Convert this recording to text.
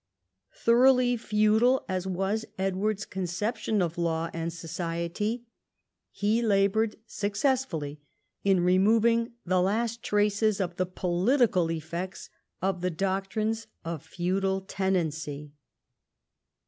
Thoroughly feudal as was Edward's conception of law and society, he laboured successfully in removing the last traces of the political effects of the doctrines of feudal tenancy.